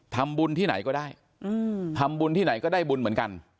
ทำบุญที่ไหนก็ได้ทำบุญที่ไหนก็ได้บุญเหมือนกัน